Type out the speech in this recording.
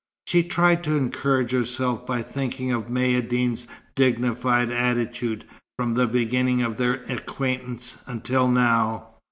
She tried to encourage herself by thinking of Maïeddine's dignified attitude, from the beginning of their acquaintance until now.